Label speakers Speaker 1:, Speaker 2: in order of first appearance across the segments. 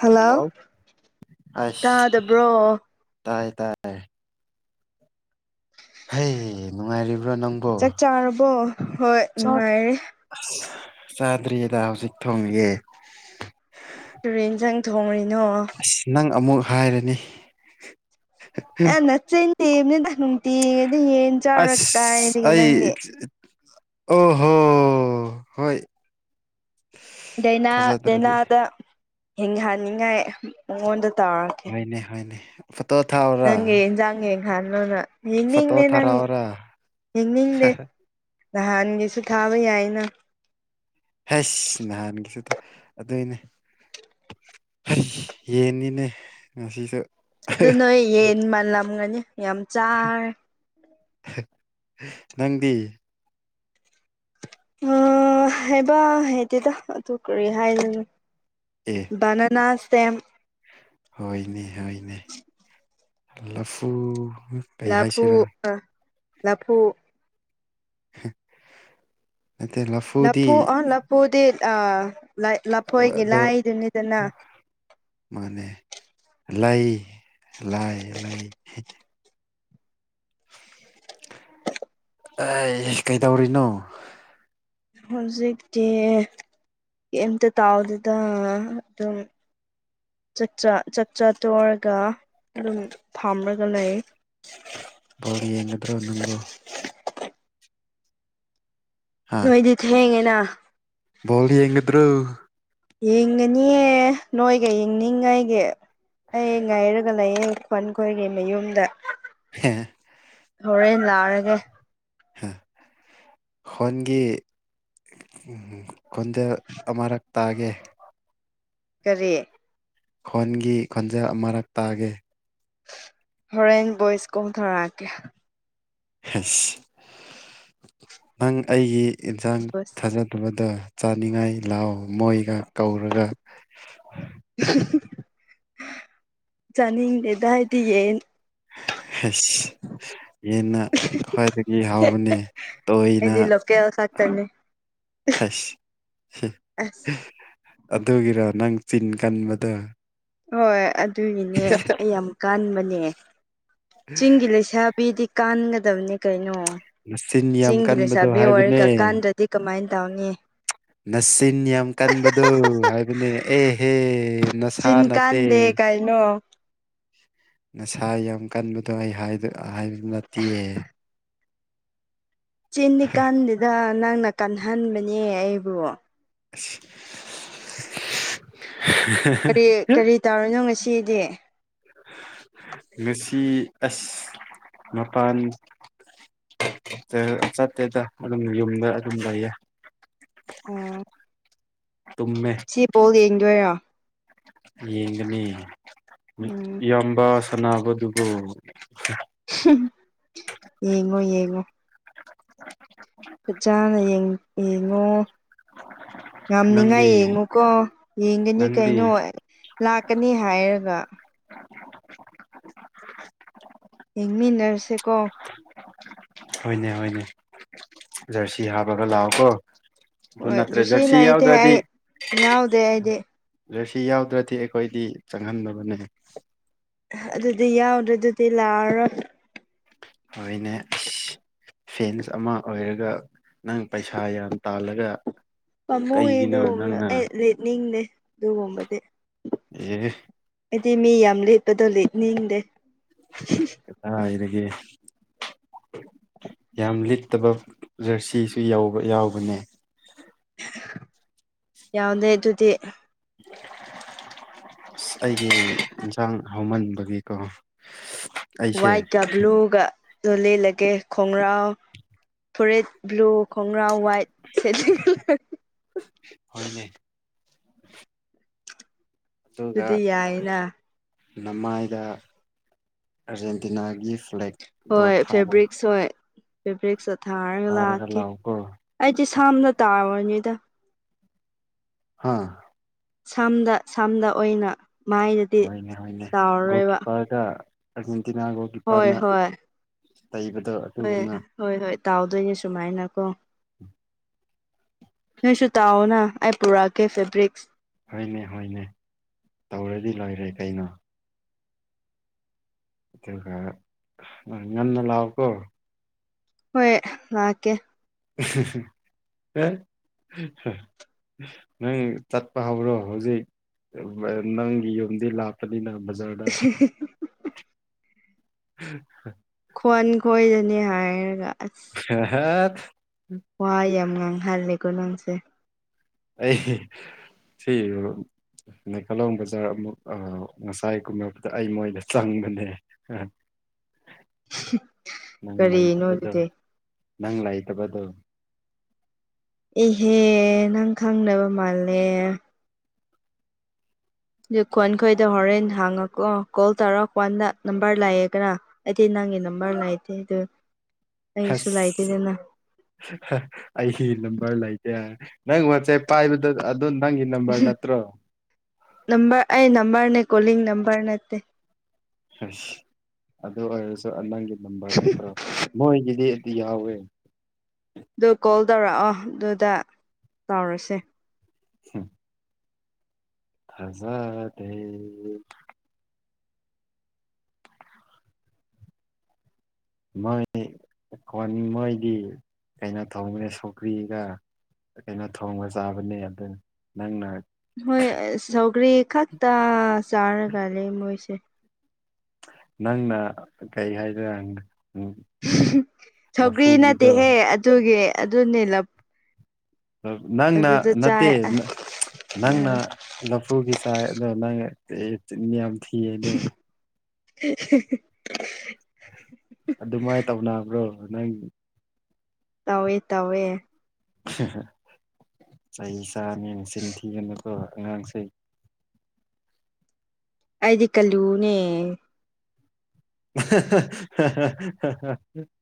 Speaker 1: hello
Speaker 2: ꯑꯁ
Speaker 1: ꯇꯥꯗꯕ꯭ꯔꯣ
Speaker 2: ꯇꯥꯏ ꯇꯥꯏ ꯇꯥꯏ ꯍꯩ ꯅꯨꯡꯉꯥꯏꯔꯤꯕ꯭ꯔꯣ ꯅꯪꯕꯨ
Speaker 1: ꯆꯥꯛ ꯆꯥꯔꯕꯣ ꯍꯣꯏ
Speaker 2: ꯆꯥꯛ
Speaker 1: ꯅꯨꯡꯉꯥꯏꯔꯦ
Speaker 2: ꯑꯁ ꯆꯥꯗ꯭ꯔꯤꯌꯦꯗꯥ ꯍꯧꯖꯤꯛ ꯊꯣꯡꯉꯤꯑꯦ
Speaker 1: ꯀꯔꯤ ꯏꯟꯁꯥꯡ ꯊꯣꯡꯔꯤꯅꯣ
Speaker 2: ꯑꯁ ꯅꯪ ꯑꯃꯨꯛ ꯍꯥꯏꯔꯅꯤ
Speaker 1: ꯑꯦ ꯅꯆꯦꯟ ꯊꯤꯕꯅꯤꯗ ꯅꯨꯡꯇꯤꯒꯤꯗꯤ ꯌꯦꯟ ꯆꯥꯔ
Speaker 2: ꯑꯁ
Speaker 1: ꯀꯥꯏꯗꯒꯤ
Speaker 2: ꯑꯩ
Speaker 1: ꯅꯪꯗꯤ
Speaker 2: ꯑꯣ ꯍꯣ ꯍꯣꯏ
Speaker 1: ꯗꯩꯅꯥ
Speaker 2: ꯊꯥꯖꯗ꯭ꯔꯗꯤ
Speaker 1: ꯗꯩꯅꯥꯗ ꯍꯤꯡꯍꯟꯅꯤꯡꯉꯥꯏ ꯃꯉꯣꯟꯗ ꯇꯧꯔ
Speaker 2: [unintelligible] ꯊꯥꯎꯔꯥ
Speaker 1: ꯅꯪꯒꯤ ꯌꯦꯟꯖꯥꯡ ꯌꯦꯡꯍꯟꯅꯣꯅ
Speaker 2: ꯐꯣꯇꯣ
Speaker 1: ꯌꯦꯡꯅꯤꯡꯗꯦ ꯅꯪ
Speaker 2: ꯊꯥꯔꯛꯑꯣꯔꯥ
Speaker 1: ꯌꯦꯡꯅꯤꯡꯗꯦ ꯅꯍꯥꯟꯒꯤꯁꯨ ꯊꯥꯕ ꯌꯥꯏꯅ
Speaker 2: ꯍꯩꯁ ꯅꯍꯥꯟꯒꯤꯁꯨ ꯊꯥ ꯑꯗꯨꯏꯅꯦ ꯍꯩꯁ ꯌꯦꯟꯅꯤꯅꯦ ꯉꯁꯤꯁꯨ
Speaker 1: ꯑꯗꯨ ꯅꯣꯏ ꯌꯦꯟ ꯃꯥꯜꯂꯝꯒꯅꯤ ꯌꯥꯝ ꯆꯥꯔꯦ
Speaker 2: ꯅꯪꯗꯤ
Speaker 1: ꯍꯥꯏꯕ ꯍꯥꯏꯇꯦꯗ ꯑꯗꯨ ꯀꯔꯤ ꯍꯥꯏꯔꯤꯅꯣ
Speaker 2: ꯑꯦ
Speaker 1: ꯕꯅꯅꯥ ꯁꯇꯦꯝ
Speaker 2: ꯍꯣꯏꯅꯦ ꯍꯣꯏꯅꯦ ꯂꯐꯨ ꯀꯩ
Speaker 1: ꯂꯐꯨ
Speaker 2: ꯍꯥꯏꯁꯤꯔꯥ
Speaker 1: ꯂꯐꯨ
Speaker 2: [unintelligible] ꯂꯐꯨꯗꯤ
Speaker 1: ꯂꯐꯨ ꯑ ꯂꯐꯨꯗꯤ ꯑ ꯂꯐꯣꯏꯒꯤ
Speaker 2: ꯑꯗꯣ
Speaker 1: ꯂꯥꯏꯗꯨꯅꯤꯗꯅ
Speaker 2: ꯃꯥꯅꯦ ꯂꯩ ꯂꯥꯏ ꯂꯩ ꯑꯦ ꯀꯩꯗꯧꯔꯤꯅꯣ
Speaker 1: ꯍꯧꯖꯤꯛꯇꯤ ꯀꯦꯝꯇ ꯇꯥꯎꯗꯦꯗ ꯑꯗꯨꯝ ꯆꯆꯥ ꯆꯥꯆꯥ꯭ꯔ ꯇꯣꯔꯒ ꯑꯗꯨꯝ ꯐꯥꯝꯔꯒ ꯂꯩꯌꯦ
Speaker 2: ꯕꯣꯜ ꯌꯦꯡꯒꯗ꯭ꯔꯣ ꯅꯪꯕꯨ ꯍꯥ
Speaker 1: ꯅꯣꯏꯗꯤ ꯊꯦꯡꯉꯦꯅ
Speaker 2: ꯕꯣꯜ ꯌꯦꯉꯗ꯭ꯔꯣ
Speaker 1: ꯌꯦꯡꯒꯅꯤꯌꯦ ꯅꯣꯏꯒ ꯌꯦꯡꯅꯤꯡꯉꯥꯏꯒꯤ ꯑꯩ ꯉꯥꯏꯔꯒ ꯂꯩꯌꯦ ꯄꯟꯈꯣꯏꯒꯤ ꯃꯌꯨꯝꯗ
Speaker 2: [unintelligible]
Speaker 1: ꯍꯣꯔꯦꯟ ꯂꯥꯛꯔꯒ
Speaker 2: ꯍꯣꯟꯒꯤ ꯈꯣꯟꯖꯦꯜ ꯑꯃꯔꯛ ꯇꯥꯒꯦ
Speaker 1: ꯀꯔꯤ
Speaker 2: ꯈꯣꯟꯒꯤ ꯈꯣꯟꯖꯦꯜ ꯑꯃꯔꯛ ꯇꯥꯒꯦ
Speaker 1: ꯍꯣꯔꯦꯟ ꯕꯣꯏꯁ ꯀꯣꯜ ꯇꯧꯔꯛꯀꯦ
Speaker 2: ꯅꯪ ꯑꯩꯒꯤ ꯌꯦꯟꯁꯥꯡ
Speaker 1: ꯚꯣꯏꯁ
Speaker 2: ꯊꯥꯖꯗꯕꯗꯣ ꯆꯥꯅꯤꯡꯉꯥꯏ ꯂꯥꯎ ꯃꯣꯏꯒ ꯀꯧꯔꯒ
Speaker 1: [inaudible] ꯆꯥꯅꯤꯡꯗꯦꯗ ꯑꯩꯗꯤ ꯌꯦꯟ
Speaker 2: ꯑꯁ ꯌꯦꯟꯅ ꯈ꯭ꯋꯥꯏꯗꯒꯤ ꯍꯥꯎꯕꯅꯦ ꯇꯣꯏꯅ
Speaker 1: ꯑꯩꯗꯤ ꯂꯣꯀꯦꯜ ꯈꯛꯇꯅꯦ
Speaker 2: ꯍꯩꯁ
Speaker 1: ꯑꯁ
Speaker 2: [unintelligible] ꯑꯗꯨꯒꯤꯔ ꯅꯪ ꯆꯤꯟ ꯀꯟꯕꯗꯨ
Speaker 1: ꯍꯣꯏ ꯑꯗꯨꯒꯤꯅꯦ ꯑꯩ ꯌꯥꯝ ꯀꯥꯟꯕꯅꯦ ꯆꯤꯡꯒꯤ ꯂꯩꯁꯥ ꯄꯤꯗꯤ ꯀꯥꯟꯒꯗꯕꯅꯦ ꯀꯩꯅꯣ
Speaker 2: ꯅꯆꯤꯟ ꯌꯥꯝ
Speaker 1: ꯆꯤꯡꯒꯤ
Speaker 2: ꯀꯟꯕꯗꯣ
Speaker 1: ꯂꯩꯁꯦꯕꯤ
Speaker 2: ꯍꯥꯏꯕꯅꯦ
Speaker 1: ꯑꯣꯏꯔꯒ ꯀꯥꯟꯗ꯭ꯔ ꯗꯤ ꯀꯃꯥꯏ ꯇꯧꯅꯤ
Speaker 2: ꯅꯁꯤꯟ ꯌꯥꯝ ꯀꯟꯕꯗꯨ ꯍꯥꯏꯕꯅꯦ ꯑꯦꯍꯦ ꯅꯁꯥ
Speaker 1: ꯆꯤꯟ
Speaker 2: ꯅꯠꯇꯦ
Speaker 1: ꯀꯥꯟꯗꯦ ꯀꯥꯏꯩꯅꯣ
Speaker 2: ꯅꯁꯥ ꯌꯥꯝ ꯀꯟꯕꯗꯣ ꯑꯩ ꯍꯥꯏꯕ ꯅꯠꯇꯤꯌꯦ
Speaker 1: ꯆꯤꯟꯅꯤꯀꯥꯟꯗꯨꯗ ꯅꯪꯅ ꯀꯟꯍꯟꯕꯅꯦ ꯑꯩꯕꯨ
Speaker 2: ꯑꯤꯁ [unintelligible] [unintelligible]
Speaker 1: ꯀꯔꯤ ꯀꯔꯤ ꯇꯧꯔꯤꯏꯅꯣ ꯉꯁꯤꯗꯤ
Speaker 2: ꯉꯁꯤ ꯑꯁ ꯃꯄꯥꯟ ꯆꯠꯇꯦꯗ ꯑꯗꯨꯝ ꯌꯨꯝꯗ ꯑꯗꯨꯝ ꯂꯩꯌꯦ
Speaker 1: ꯑꯣꯝ [unintelligible]
Speaker 2: ꯇꯨꯝꯃꯦ
Speaker 1: ꯕꯜꯣ ꯌꯦꯡꯗꯣꯏꯔꯣ
Speaker 2: ꯌꯦꯡꯒꯅꯤ
Speaker 1: ꯎꯝ
Speaker 2: ꯏꯌꯥꯝꯕ ꯁꯥꯟꯅꯕꯗꯨꯕꯨ
Speaker 1: ꯌꯦꯡꯉꯣ ꯌꯦꯡꯉꯣ ꯐ ꯆꯥꯅ ꯌꯦꯡꯉꯣ
Speaker 2: ꯅꯪꯗꯤ
Speaker 1: ꯌꯥꯝꯅꯤꯉꯥꯏ ꯌꯦꯡꯉꯨꯀꯣ ꯌꯦꯡꯒꯅꯤ
Speaker 2: ꯅꯪꯗꯤ
Speaker 1: ꯀꯩꯅꯣ ꯂꯥꯛꯀꯅꯤ ꯍꯥꯏꯔꯒ ꯌꯦꯡꯃꯤꯟꯅꯔꯁꯦꯀꯣ
Speaker 2: ꯍꯣꯏꯅꯦ ꯍꯣꯏꯅꯦ ꯖꯔꯁꯤ ꯍꯥꯞꯄꯒ ꯂꯥꯛꯑꯣꯀꯣ
Speaker 1: ꯍꯣꯏ
Speaker 2: ꯑꯗꯨꯅꯠꯇ꯭ꯔ
Speaker 1: ꯖꯨꯁꯤ
Speaker 2: ꯔꯁꯤ
Speaker 1: ꯂꯩꯇꯦ
Speaker 2: ꯌꯥꯎꯗꯗꯤ
Speaker 1: ꯑꯩ ꯌꯥꯎꯗꯦ ꯑꯩꯗꯤ
Speaker 2: ꯑꯗ ꯁꯤ ꯌꯥꯎꯗ꯭ꯔꯗꯤ ꯑꯩꯈꯣꯏꯗꯤ ꯆꯪꯍꯟꯗꯕꯅꯦ
Speaker 1: ꯑꯗꯨꯗꯤ ꯌꯥꯎꯗ꯭ꯔꯦ ꯑꯗꯨꯗꯤ ꯂꯥꯛꯑꯔꯣꯏ
Speaker 2: ꯍꯅꯦ ꯑ ꯐꯦꯟꯁ ꯑꯃ ꯑꯣꯏꯔꯒ ꯅꯪ ꯄꯩꯁꯥ ꯌꯥꯝ ꯇꯥꯜꯂꯒ
Speaker 1: ꯄꯥꯝꯃꯨꯏ
Speaker 2: ꯀꯩꯒꯤꯅꯣ
Speaker 1: ꯑꯗꯨꯒꯨꯝꯕ
Speaker 2: ꯅꯪꯅ
Speaker 1: ꯑꯩ ꯂꯤꯠꯅꯤꯡꯗꯦ ꯑꯗꯨꯒꯨꯝꯕꯗꯤ
Speaker 2: ꯎ
Speaker 1: ꯍꯥꯏꯗꯤ ꯃꯤ ꯌꯥꯝ ꯂꯤꯠꯄꯗꯣ ꯂꯦꯛꯅꯤꯡꯗꯦ
Speaker 2: ꯑ ꯏꯔꯒꯦ ꯌꯥꯝ ꯂꯤꯠꯇꯕ ꯖꯔꯁꯤꯁꯨ ꯌꯥ ꯌꯥꯎꯕꯅꯦ
Speaker 1: ꯌꯥꯎꯅꯦ ꯑꯗꯨꯗꯤ
Speaker 2: ꯑꯁ ꯑꯩꯒꯤ ꯏꯟꯁꯥꯡ ꯍꯧꯃꯟꯕꯒꯤ ꯀꯣ
Speaker 1: ꯋꯥꯏꯠꯀ ꯕ꯭ꯂꯨꯒꯗ ꯂꯦꯜꯂꯒꯦ ꯈꯣꯡꯒ꯭ꯔꯥꯎ ꯐꯣꯔꯦꯠ ꯕ꯭ꯂꯨ ꯈꯣꯡꯒ꯭ꯔꯥ ꯋꯥꯏꯠ ꯁꯦꯂꯤ
Speaker 2: ꯍꯅꯦ ꯑꯗꯨꯒ
Speaker 1: ꯑꯗꯨꯗꯤ ꯌꯥꯏꯅ
Speaker 2: ꯅꯃꯥꯏꯗ ꯑꯔꯖꯦꯟꯇꯤꯅꯥꯒꯤ
Speaker 1: ꯍꯣꯏ ꯐꯦꯕ꯭ꯔꯤꯛꯁ ꯍꯣꯏ ꯐꯦꯕ꯭ꯔꯤꯛꯁꯇ ꯊꯥꯔꯒ ꯂꯥꯛꯀꯦ ꯑꯩꯗꯤ ꯁꯝꯅ ꯇꯥꯔꯨꯔꯅꯤꯗ
Speaker 2: ꯍꯥꯥ
Speaker 1: ꯁꯝꯗ ꯁꯝꯗ ꯑꯣꯏꯅ ꯃꯥꯏꯗꯗꯤ
Speaker 2: ꯍꯣꯏꯅꯦ ꯍꯣꯏꯅꯦ ꯒꯣꯜ
Speaker 1: ꯇꯥꯎꯔꯔꯣꯏꯕ
Speaker 2: ꯀꯤꯞꯄꯔꯗ ꯑꯥꯔꯖꯦꯟꯇꯤꯅꯥ ꯒꯣꯜ
Speaker 1: ꯍꯣꯏ
Speaker 2: ꯀꯤꯞꯄꯔꯅ
Speaker 1: ꯍꯣꯏ
Speaker 2: ꯂꯩꯕꯗꯣ
Speaker 1: ꯍꯣꯏ ꯍꯣꯏ ꯍꯣꯏ ꯇꯥꯎꯗꯣꯏꯅꯦ ꯁꯨꯃꯥꯏꯅ ꯀꯣ
Speaker 2: ꯎ
Speaker 1: ꯅꯣꯏꯁꯨ ꯇꯥꯎꯑꯣꯅ ꯑꯩ ꯄꯨꯔꯛꯑꯒꯦ ꯐꯦꯕ꯭ꯔꯤꯛꯁ
Speaker 2: ꯍꯣꯏꯅꯦ ꯍꯣꯏꯅꯦ ꯇꯧꯔꯗꯤ ꯂꯣꯏꯔꯦ ꯀꯩꯅꯣ ꯇ ꯅꯅ ꯂꯥꯎ ꯀꯧꯕ
Speaker 1: ꯍꯣꯏ ꯂꯥꯛꯀꯦ
Speaker 2: ꯑꯦ ꯅꯪ ꯆꯠꯄ ꯍꯥꯏꯕ꯭ꯔꯣ ꯍꯧꯖꯤꯛ ꯅꯪꯒꯤ ꯌꯨꯝꯗꯤ ꯂꯥꯞꯄꯅꯤꯅ ꯕꯖꯥꯔ ꯑ
Speaker 1: ꯈꯣꯟ ꯈꯣꯏꯗꯅꯤ ꯍꯥꯏꯔꯒ ꯑꯁ
Speaker 2: ꯍꯍꯠ
Speaker 1: ꯋꯥꯣꯏ ꯌꯥꯝ ꯉꯥꯡꯍꯜꯂꯦꯀꯣ ꯅꯪꯁꯦ
Speaker 2: ꯑꯩ ꯁꯤ ꯅꯩꯀꯥꯂꯣꯡ ꯕꯖꯥꯔ ꯑꯃꯨꯛ ꯉꯁꯥꯏꯒꯨꯝꯕꯗ ꯑꯩ ꯃꯣꯏꯗ ꯆꯪꯕꯅꯦ ꯑꯝ
Speaker 1: ꯀꯔꯤꯅꯣ ꯑꯗꯨꯗꯤ
Speaker 2: ꯅꯪ ꯂꯥꯏ ꯇꯕ ꯑꯗꯨ
Speaker 1: ꯏꯍꯦ ꯅꯪ ꯈꯪꯅꯕ ꯃꯥꯜꯂꯦ ꯈꯣꯟ ꯈꯣꯏꯗ ꯍꯣꯔꯦꯟ ꯍꯥꯡꯉꯛꯀꯣ ꯀꯣꯜ ꯇꯧꯔꯛꯀ ꯋꯥꯟꯗ ꯅꯝꯕꯔ ꯂꯥꯛꯑꯦꯒꯅ ꯑꯩꯗꯤ ꯅꯪꯒꯤ ꯅꯝꯕꯔ ꯂꯥꯏꯇꯦ ꯑꯗꯨ ꯑꯩꯁꯨ ꯂꯥꯏꯇꯦꯗꯅ
Speaker 2: ꯑꯩ ꯅꯝꯕꯔ ꯂꯩꯒꯦ ꯅꯪ ꯋꯥꯁꯦ ꯄꯥꯏꯕꯗ ꯑꯗꯨꯗꯣ ꯅꯪꯒꯤ ꯅꯝꯕꯔ ꯅꯠꯇ꯭ꯔꯣ
Speaker 1: ꯅꯝꯕꯝꯕꯔ ꯑꯦ ꯅꯝꯕꯔ ꯅ ꯀꯣꯂꯤꯤꯡ ꯅꯝꯕꯔ ꯅꯠꯇꯦ
Speaker 2: ꯑꯁ ꯑꯗꯨ ꯑꯣꯏꯔꯁꯨ ꯅꯪꯒꯤ ꯅꯝꯕꯔ ꯅꯠꯇ꯭ꯔꯣ ꯃꯣꯏꯒꯤꯗꯤ ꯌꯥꯎꯋꯦ
Speaker 1: ꯑꯗꯨ ꯀꯣꯜ ꯇꯧꯔꯛꯑꯣ ꯑꯗꯨꯗ ꯆꯥꯎꯔꯁꯦ
Speaker 2: ꯑ ꯊꯖꯦ ꯃꯣꯏ ꯃꯣꯏꯗꯤ ꯀꯩꯅꯣ ꯇꯧꯕꯈꯦ ꯁꯨꯀ꯭ꯔꯤꯗ ꯀꯩꯅꯣ ꯊꯣꯡꯕ ꯆꯥꯕꯅꯦ ꯑꯗꯨ ꯅꯪꯅ
Speaker 1: ꯍꯣꯏ ꯁꯧꯒꯔꯤ ꯈꯛꯇ ꯆꯥꯔꯒ ꯂꯩ ꯃꯣꯏꯁꯦ
Speaker 2: ꯅꯪꯅ ꯀꯩ ꯍꯥꯏꯗꯔ
Speaker 1: ꯁꯧꯒ꯭ꯔꯤ ꯅꯠꯇꯦꯍꯦ ꯑꯗꯨꯒꯤ ꯑꯗꯨꯅꯦ ꯂꯞ
Speaker 2: ꯅꯪꯅ
Speaker 1: ꯑꯗꯨꯗ ꯆꯥꯏ
Speaker 2: ꯅꯠꯇꯦ
Speaker 1: ꯑꯁ
Speaker 2: ꯅꯪꯅ ꯂꯐꯨꯒꯤ ꯆꯥꯏ ꯑꯗꯣ ꯅꯪꯅꯤꯌꯝ ꯁꯤꯌꯦꯅꯦ
Speaker 1: [inaudible]
Speaker 2: ꯑꯗꯨꯃꯥꯏꯅ ꯇꯧꯅꯕ꯭ꯔꯣ ꯅꯪ
Speaker 1: ꯇꯋꯦ ꯇꯋꯦ
Speaker 2: ꯆꯍꯤ ꯆꯥꯅꯤꯆꯤꯟ ꯊꯤꯅꯅꯕ ꯑꯉꯥꯡꯁ
Speaker 1: ꯑꯩꯗꯤ ꯀꯜꯂꯨꯅꯦ
Speaker 2: [inaudible]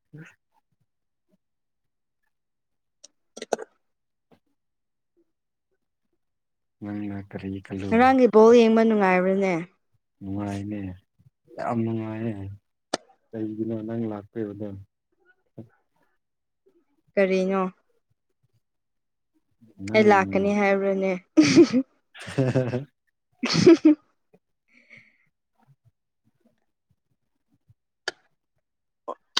Speaker 2: ꯅꯪꯅ ꯀꯔꯤ ꯈꯜꯂꯨ
Speaker 1: ꯉꯔꯥꯡꯒꯤ ꯕꯜ ꯌꯦꯡꯕ ꯅꯨꯡꯉꯥꯏꯕ꯭ꯔꯅꯦ
Speaker 2: ꯅꯨꯡꯉꯥꯏꯅꯦ ꯌꯥꯝ ꯅꯨꯡꯉꯥꯏꯌꯦ ꯀꯩꯒꯤꯅꯣ ꯅꯪ ꯂꯥꯛꯇꯣꯏꯕꯗꯣ
Speaker 1: ꯀꯔꯤꯅꯣ ꯑꯩ
Speaker 2: ꯅꯪ
Speaker 1: ꯂꯥꯛꯀꯅꯤ ꯍꯥꯏꯕ꯭ꯔꯅꯦ
Speaker 2: ꯍ
Speaker 1: [inaudible]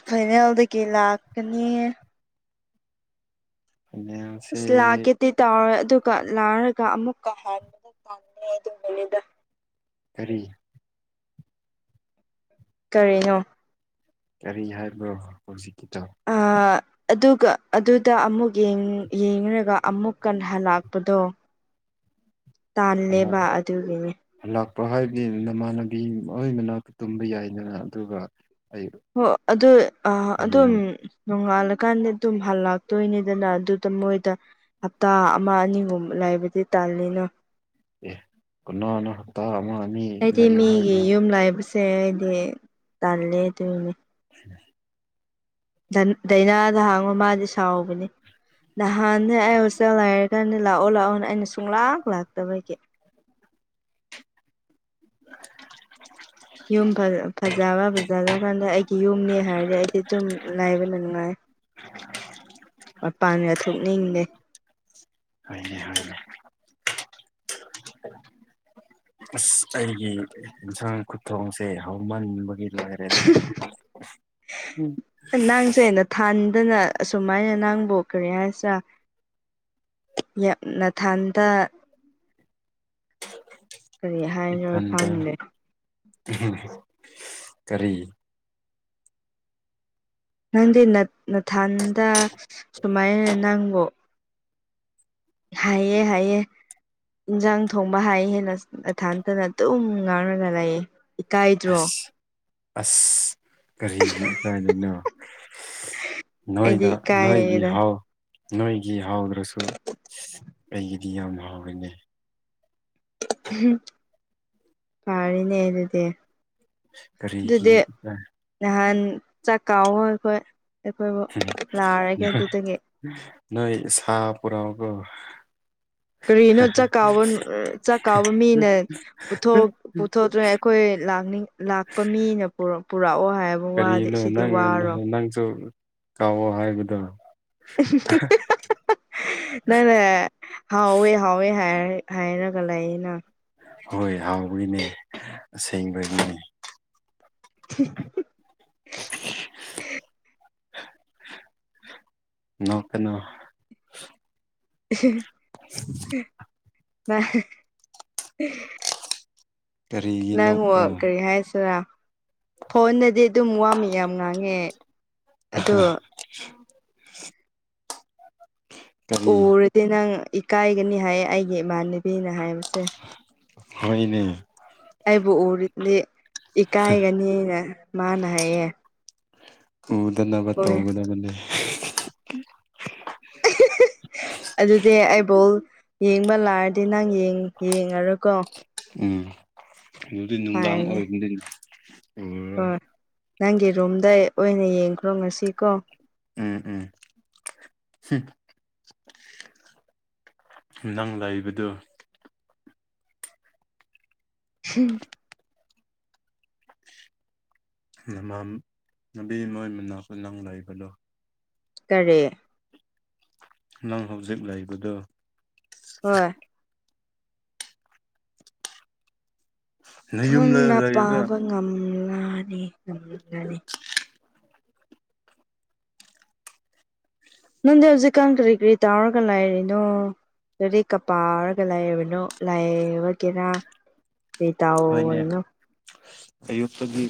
Speaker 1: ꯐꯥꯏꯅꯦꯜꯗꯒꯤ ꯂꯥꯛꯀꯅꯤ
Speaker 2: ꯑ
Speaker 1: ꯑꯁ ꯂꯥꯛꯀꯦꯗꯤ ꯇꯧꯔꯣꯏ ꯑꯗꯨꯒ ꯂꯥꯛꯔꯒ ꯑꯃꯨꯛꯀ ꯍꯥꯟꯕꯗ ꯇꯥꯟꯦ ꯑꯗꯨꯕꯅꯤꯗ
Speaker 2: ꯀꯔꯤ
Speaker 1: ꯀꯔꯤꯅꯣ
Speaker 2: ꯀꯔꯤ ꯍꯥꯏꯕꯅꯣ ꯍꯧꯖꯤꯛꯀꯤꯗ
Speaker 1: ꯑꯥ ꯑꯗꯨꯒ ꯑꯗꯨꯗ ꯑꯃꯨꯛ ꯌꯦꯡꯒ ꯑꯃꯨꯛ ꯀꯟ ꯍꯜꯂꯥꯛꯄꯗꯣ ꯇꯜꯂꯦꯕ ꯑꯗꯨꯒꯤꯅꯦ
Speaker 2: ꯂꯥꯛꯄ ꯍꯥꯏꯕꯗꯤ ꯅꯃꯥꯟꯅꯕꯤ ꯑꯣꯏ ꯃꯅꯥ ꯇꯨꯝꯕ ꯌꯥꯏꯗꯅ ꯑꯗꯨꯒ ꯑꯩ
Speaker 1: ꯍꯣꯏ ꯑꯗꯨ ꯑꯗꯨꯝ
Speaker 2: ꯍꯌꯦꯡ
Speaker 1: ꯅꯣꯡꯉꯥꯜꯂꯀꯥꯟꯗ ꯑꯗꯨꯝ ꯍꯜꯂꯥꯛꯇꯣꯏꯅꯤꯗꯅ ꯑꯗꯨꯗ ꯃꯣꯏꯗ ꯍꯞꯇꯥ ꯑꯃ ꯑꯅꯤꯒꯨꯝꯕ ꯂꯩꯕꯗꯤ ꯇꯥꯜꯂꯤꯅꯣ
Speaker 2: ꯑꯦ ꯀꯅꯅ ꯇ ꯑꯃ ꯃꯤ
Speaker 1: ꯑꯩꯗꯤ ꯃꯤꯒꯤ ꯌꯨꯝ ꯂꯥꯏꯕꯁꯦ ꯑꯩꯗꯤ ꯇꯜꯂꯦ ꯑꯗꯨꯅꯤ
Speaker 2: [unintelligible]
Speaker 1: ꯗꯥꯏꯅꯥꯗ ꯍꯥꯡꯕ ꯃꯥꯗꯤ ꯁꯥꯎꯕꯅꯦ ꯅꯍꯥꯟꯅꯦ ꯑꯩ ꯍꯧꯣꯖꯤꯛꯇ ꯂꯩꯥꯏꯔꯒꯥꯟꯅꯦ ꯂꯥꯛꯑꯣ ꯂꯥꯛꯑꯣꯅꯦ ꯑꯩꯅ ꯁꯨꯡꯂꯥꯛ ꯂꯥꯛꯇꯕꯒꯤ ꯌꯨꯝ ꯐꯖꯕ ꯐꯖꯖ꯭ꯔ ꯀꯥꯟꯗ ꯑꯩꯒꯤ ꯌꯨꯝꯅꯦ ꯍꯥꯏꯔꯗꯤ ꯑꯩꯗꯤ ꯑꯗꯨꯝ ꯂꯥꯏꯕꯅ ꯅꯨꯡꯉꯥꯏ
Speaker 2: [unintelligible]
Speaker 1: ꯃꯄꯥꯟ ꯌꯥ ꯊꯣꯛꯣꯛꯅꯤꯡꯗꯦ
Speaker 2: [unintelligible] ꯑꯁ ꯑꯩꯒꯤ ꯌꯦꯟꯁꯥꯡ ꯈꯨꯊꯣꯡꯁꯦ ꯍꯧꯃꯟꯕꯒꯤ ꯂꯥꯏꯔꯤꯛ ꯇ꯭ꯔ‌ꯦꯗ ꯎꯝ
Speaker 1: ꯅꯡꯁꯦ ꯑꯩꯅ ꯊꯥꯟꯗꯅ ꯑꯁꯨꯃꯥꯏꯅ ꯅꯥꯡꯕꯨ ꯀꯔꯤ ꯍꯥꯏꯁꯤꯔꯥ ꯌꯥꯝ ꯅꯊꯟꯗ ꯀꯔꯤ ꯍꯥꯏꯅꯣ
Speaker 2: ꯏꯊꯟꯗ
Speaker 1: ꯈꯪꯗꯦ
Speaker 2: ꯀꯔꯤ
Speaker 1: ꯅꯪꯗꯤ ꯅꯊꯥꯟꯗ ꯁꯨꯃꯥꯏꯅ ꯅꯪꯕꯨ ꯍꯥꯏꯌ‌ꯦ ꯍꯥꯏꯌꯦ ꯏꯟꯁꯥꯡ ꯊꯣꯡꯕ ꯍꯥꯏ ꯍꯦꯟꯅ ꯑꯊꯥꯇꯅ ꯑꯗꯨꯝ ꯉꯥꯡꯔꯒ ꯂꯩꯌꯦ ꯏꯀꯥꯏꯗ꯭ꯔꯣ
Speaker 2: ꯑꯁ ꯑꯁ ꯀꯔꯤꯒꯤ ꯏꯀꯥꯏꯗ‌ꯣꯏꯅꯣ
Speaker 1: ꯑꯩꯗꯤ
Speaker 2: ꯅꯣꯏꯗ ꯅꯣꯏꯒꯤ
Speaker 1: ꯏꯀꯥꯏꯌꯦꯗ
Speaker 2: ꯍꯥꯎ ꯅꯣꯏꯒꯤ ꯍꯥꯎꯗ꯭ꯔꯁꯨ ꯑꯩꯒꯤꯗꯤ ꯌꯥꯝ ꯍꯥꯎꯔꯤꯅꯦ
Speaker 1: ꯄꯥꯔ‌ꯦꯅꯦ ꯑꯗꯨꯗꯤ
Speaker 2: ꯀꯔꯤꯒꯤ
Speaker 1: ꯑꯗꯨꯗꯤ ꯅꯍꯥꯟ ꯆꯥꯛ ꯀꯥꯎꯕ ꯑꯩꯈꯣꯏ ꯑꯩꯈꯣꯏꯕꯨ ꯂꯥꯛꯔꯒꯦ ꯑꯗꯨꯗꯒꯤ
Speaker 2: ꯅꯣꯏ ꯁꯥ ꯄꯨꯔꯥꯎꯀ‌ꯣ
Speaker 1: ꯀꯔꯤꯅꯣ ꯆꯥꯛ ꯀꯥꯕ ꯆꯥꯛ ꯀꯥꯕ ꯃꯤꯅ ꯄꯨꯊꯣꯛ ꯄꯨꯊꯣꯛꯇ꯭ꯔꯦ ꯑꯩꯈꯣꯏꯅꯤꯡ ꯂꯥꯛꯄ ꯃꯤꯅ ꯄꯨꯔꯛꯑꯣ ꯍꯥꯏꯕ ꯋꯥꯗꯤ
Speaker 2: ꯀꯔꯤꯅꯣ
Speaker 1: ꯁꯤꯗꯤ
Speaker 2: ꯅꯪ
Speaker 1: ꯋꯥꯔꯣ
Speaker 2: ꯅꯪꯁꯨ ꯀꯥꯎꯑꯣ ꯍꯥꯏꯕꯗꯣ
Speaker 1: ꯅꯪꯅ ꯍꯥꯎꯋꯦ ꯍꯥꯎꯋꯦ ꯍꯥꯏ ꯍꯥꯏꯅꯒ ꯂꯩꯌ‌ꯦꯅ
Speaker 2: ꯍꯣꯏ ꯍꯥꯎꯕꯒꯤꯅꯦ ꯑꯁꯦꯡꯕꯒꯤꯅꯦ
Speaker 1: ꯊꯤ
Speaker 2: [unintelligible] ꯅ‌ꯣꯛꯀꯅ‌ꯣ
Speaker 1: [unintelligible]
Speaker 2: ꯀꯔꯤꯒꯤ
Speaker 1: ꯅꯪ
Speaker 2: ꯅꯣꯛꯄ꯭ꯔꯥ
Speaker 1: ꯀꯔꯤ ꯍꯥꯏꯁꯤꯔ ꯐꯣꯟꯅꯗꯤ ꯑꯗꯨꯝ ꯋꯥꯝꯃꯤ ꯌꯥꯝ ꯉꯥꯡꯉꯦ ꯑꯗꯣ
Speaker 2: ꯀꯔꯤ
Speaker 1: ꯎꯔꯗꯤ ꯅꯪ ꯏꯀꯥꯏꯒꯅꯤ ꯍꯥꯏꯌꯦ ꯑꯩꯒꯤ ꯏꯃꯥꯟꯅꯕꯤꯅ ꯍꯥꯏꯕꯁꯦ
Speaker 2: ꯍ‌‌ꯣꯏꯅꯦ
Speaker 1: ꯑꯩꯕꯨ ꯎꯔꯗꯤ ꯏꯀꯥꯏꯒꯅꯤꯅ ꯃꯥꯅ ꯍꯥꯏꯌꯦ
Speaker 2: ꯎꯗꯅꯕ
Speaker 1: ꯍꯣꯏ
Speaker 2: ꯇꯧꯒꯗꯕꯅꯦ [unintelligible]
Speaker 1: ꯑꯗꯨꯗꯤ ꯑꯩꯕꯨꯜ ꯌꯦꯡꯕ ꯂꯥꯔꯗꯤ ꯅꯪ ꯌꯦꯡꯉꯔꯨꯀꯣ
Speaker 2: ꯎꯝ ꯑꯗꯨꯗꯤ ꯅꯨꯡꯗꯥꯡ
Speaker 1: ꯍꯥꯏꯔꯅꯦ
Speaker 2: ꯑꯣꯏꯕꯗꯤꯟ
Speaker 1: ꯍꯣꯏ ꯅꯪꯒꯤ ꯔꯨꯝꯗ ꯑꯣꯏꯅ ꯌꯦꯡꯈ꯭ꯔꯣ ꯉꯁꯤ ꯀꯣ
Speaker 2: ꯎꯝ ꯎꯝ ꯍꯝ ꯅꯪ ꯂꯩꯕꯗꯨ
Speaker 1: ꯍꯝ
Speaker 2: ꯃ ꯅꯨꯕꯤ ꯑꯃ ꯃꯅꯥꯈ ꯅꯪ ꯂꯩꯕꯗꯣ
Speaker 1: ꯇꯔꯦꯠ
Speaker 2: ꯅꯪ ꯍꯧꯖꯤꯛ ꯂꯩꯕꯗꯨ
Speaker 1: ꯍꯣꯏ
Speaker 2: ꯅꯌꯨꯝꯗ
Speaker 1: ꯈꯪꯅ
Speaker 2: ꯂꯩꯔꯒ
Speaker 1: ꯄꯥꯕ ꯉꯝꯂꯅꯤ ꯉꯝꯂꯅꯤ ꯅꯪꯗꯤ ꯍꯧꯖꯤꯛꯀꯥꯟ ꯀꯔꯤ ꯀꯔꯤ ꯇꯥꯔꯒ ꯂꯥꯏꯔꯤꯅꯣ ꯂꯥꯏꯔꯤꯛꯀ ꯄꯥꯔꯒ ꯂꯩꯔꯕꯤꯗꯣ ꯂꯩꯕꯒꯦꯔ ꯀ꯭ꯔꯤ
Speaker 2: ꯍꯣꯏꯅꯦ
Speaker 1: ꯇꯥꯎꯏꯅꯣ
Speaker 2: ꯑꯌꯨꯛꯇꯒꯤ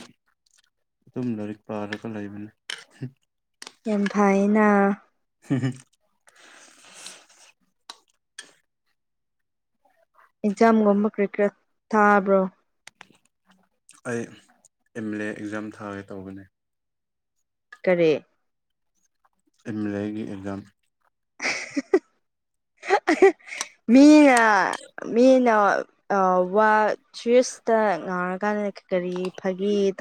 Speaker 2: ꯑꯗꯨꯝ ꯂꯥꯏꯔꯤꯛ ꯄꯥꯔꯒ ꯂꯩꯕꯅꯤ
Speaker 1: ꯌꯥꯝ ꯐꯥꯏꯅ
Speaker 2: ꯍꯝ ꯍꯨꯝ
Speaker 1: ꯑꯦꯛꯖꯥꯝꯒꯨꯝꯕ ꯀꯔꯔꯤ ꯀꯔ ꯊꯥꯕ꯭ꯔꯣ
Speaker 2: ꯑꯩ ꯑꯦꯝ ꯑꯦꯜ ꯑꯦ ꯑꯦꯛꯖꯥꯝ ꯊꯥꯒꯦ ꯇꯧꯕꯅꯦ
Speaker 1: ꯀꯔꯦ
Speaker 2: ꯑꯦꯝ ꯑꯦꯜ ꯑꯦꯒꯤ ꯑꯦꯛꯖꯥꯝ [inaudible]
Speaker 1: ꯃꯤꯅ ꯃꯤꯅ ꯑ ꯋꯥ ꯁ꯭ꯋꯁꯇ ꯉꯥꯡꯔꯀꯥꯟꯗ ꯀꯔꯤ ꯐꯒꯤ